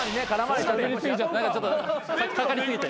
何かちょっとかかり過ぎて。